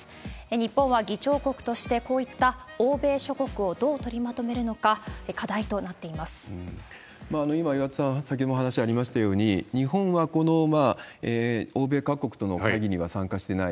日本は議長国として、こういった欧米諸国をどう取りまとめるのか、今、岩田さん、先ほどもお話ありましたように、日本はこの欧米各国との会議には参加してない。